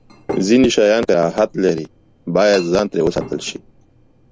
ځینې شیان کراهت لري، باید ځان ترې وساتل شی.